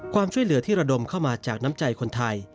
ความช่วยเหลือที่ระดมเข้ามาจากน้ำใจคนไทย